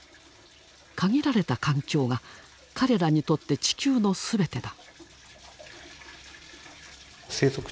限られた環境が彼らにとって地球の全てだ。